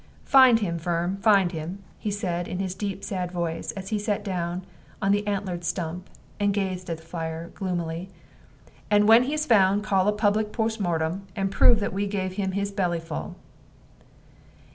"Find him, Firm, find him," he said, in his deep sad voice, as he sat down on the antlered stump and gazed at the fire gloomily. "And when he is found, call a public postmortem, and prove that we gave him his bellyful."